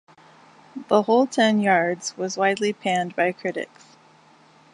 "The Whole Ten Yards" was widely panned by critics.